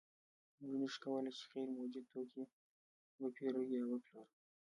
موږ نشو کولی چې غیر موجود توکی وپېرو یا وپلورو